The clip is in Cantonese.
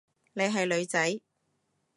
你係女仔？